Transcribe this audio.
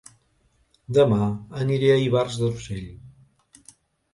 Dema aniré a Ivars d'Urgell